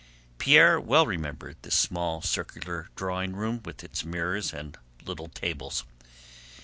Pierre well remembered this small circular drawing room with its mirrors and little tables.